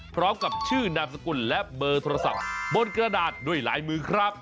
พร้อมกับชื่อนามสกุลและเบอร์โทรศัพท์บนกระดาษด้วยลายมือครับ